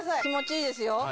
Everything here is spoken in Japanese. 気持ちいいですよ